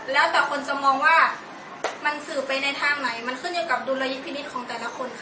แล้วแต่คนจะมองว่ามันสืบไปในทางไหนมันขึ้นอยู่กับดุลยพินิษฐ์ของแต่ละคนค่ะ